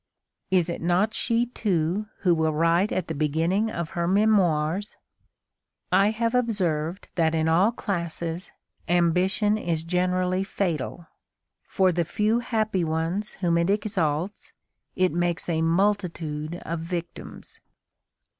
Is it not she, too, who will write at the beginning of her Memoirs: "I have observed that in all classes, ambition is generally fatal; for the few happy ones whom it exalts, it makes a multitude of victims."